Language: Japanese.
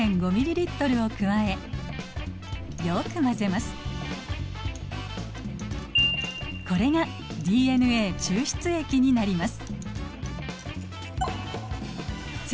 まずそこにこれがＤＮＡ抽出液になります。